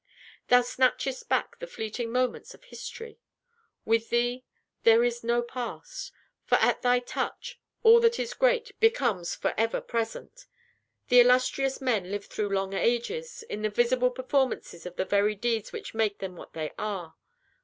Thou snatchest back the fleeting moments of History. With thee, there is no Past; for, at thy touch, all that is great becomes forever present; and illustrious men live through long ages, in the visible performance of the very deeds which made them what they are.